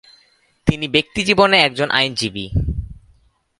তিনি ব্যক্তিজীবনে একজন আইনজীবী।